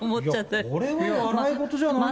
これは笑い事じゃないと思うよ。